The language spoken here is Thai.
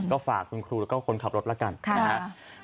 ก็ฝากคุณครูและคนขับรถละกันนะคะค่ะค่ะ